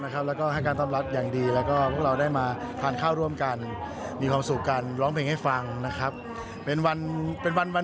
ที่ทำให้ผู้สูงอายุคลายเงาได้